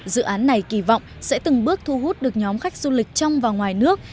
dự án này kỳ vọng sẽ từng bước thu hút được nhóm khách du lịch trong và ngoài nước